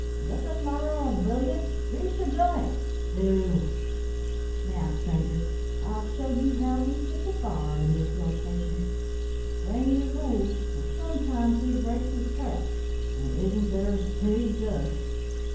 Look alive, will you? grease your jints, do. Now, strangers, I'll shew you how we ketch a bar in this lo cation; bring yer rules, for sometimes he breaks his trap, an' isn't there a spree jist!"